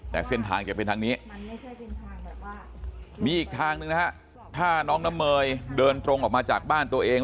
แต่เส้นทางจะเป็นทางนี้มีอีกทางหนึ่งนะฮะถ้าน้องน้ำเมยเดินตรงออกมาจากบ้านตัวเอง